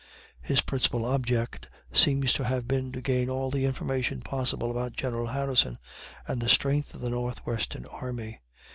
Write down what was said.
His principal object seems to have been to gain all the information possible about General Harrison, and the strength of the Northwestern army.